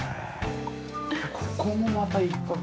ここもまた一角さ。